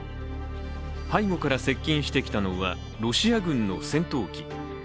背後から接近してきたのはロシア軍の戦闘機。